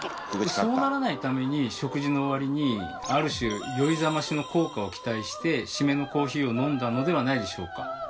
そうならないために食事の終わりにある種「酔いざまし」の効果を期待して締めのコーヒーを飲んだのではないでしょうか。